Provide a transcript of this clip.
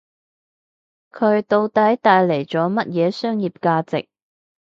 佢到底帶嚟咗乜嘢商業價值